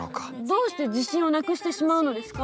どうして自信をなくしてしまうのですか？